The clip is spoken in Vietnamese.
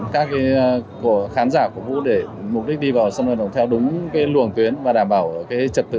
các khán giả cũng vũ để mục đích đi vào sân vận động theo đúng luồng tuyến và đảm bảo trật tự